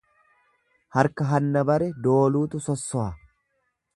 Harka hanna bare dooluutu sossoha.